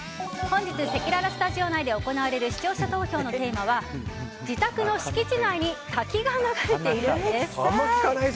本日せきららスタジオ内で行われる視聴者投票のテーマは自宅の敷地内に滝が流れている？です。